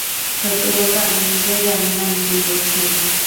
সত্যি বলতে, আমি নিজেও জানি না আমি কী করছি।